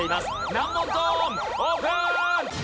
難問ゾーンオープン！